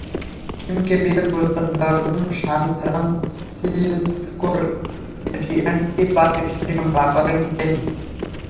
কিমকে বিয়ের প্রস্তাব দেওয়ার জন্য সান ফ্রান্সিসকোর এটিঅ্যান্ডটি পার্ক স্টেডিয়াম ভাড়া করেন কেনি।